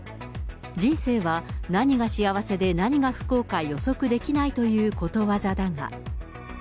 人生は何が幸せで何が不幸か予測できないということわざだが。